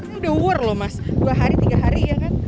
ini udah war loh mas dua hari tiga hari ya kan